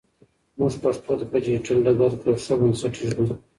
موږ پښتو ته په ډیجیټل ډګر کې یو ښه بنسټ ایږدو.